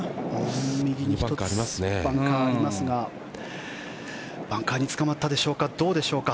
右に１つバンカーがありますがバンカーにつかまったでしょうかどうでしょうか。